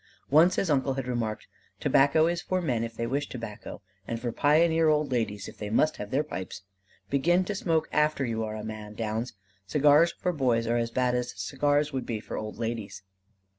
Once his uncle had remarked: "Tobacco is for men if they wish tobacco, and for pioneer old ladies if they must have their pipes. Begin to smoke after you are a man, Downs. Cigars for boys are as bad as cigars would be for old ladies."